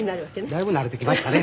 だいぶ慣れてきましたね。